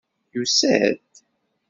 Yusa-d?